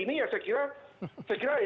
melihat bagaimana hasil kerjanya